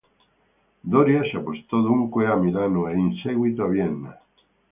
Doria si spostò dunque a Milano e, in seguito, a Vienna.